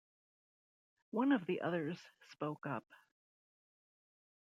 One of the others spoke up.